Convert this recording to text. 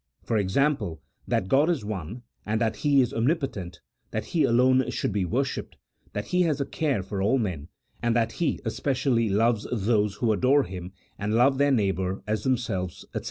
For example, that God is one, and that He is omnipotent, that He alone should be worshipped, that He has a care for all men, and that He especially loves those who adore Him and love their neighbour as themselves, &c.